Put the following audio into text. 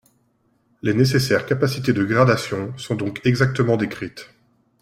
Les nécessaires capacités de gradation sont donc exactement décrites.